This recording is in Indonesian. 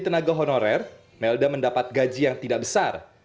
tenaga honorer melda mendapat gaji yang tidak besar